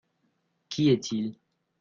Qui est-il ?